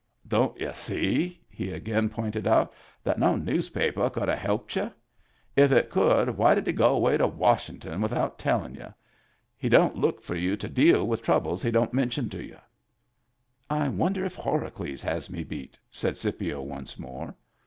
" Don't y'u see," he again pointed out, " that no newspaper could have helped you ? If it could why did he go away to Washington without tellin' you ? He don't look for you to deal with troubles he don't mention to you." " I wonder if Horacles has me beat ?" said Scipio once more.